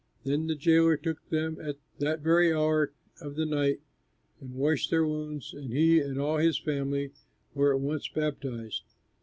Then the jailer took them at that very hour of the night and washed their wounds, and he and all his family were at once baptized.